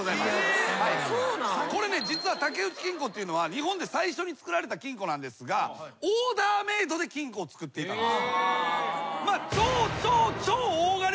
実は竹内金庫というのは日本で最初に作られた金庫なんですがオーダーメードで金庫を作っていたんです。